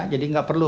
jadi nggak perlu